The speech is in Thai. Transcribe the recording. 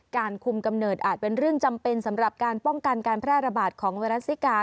การคุมกำเนิดอาจเป็นเรื่องจำเป็นสำหรับการป้องกันการแพร่ระบาดของไวรัสซิกา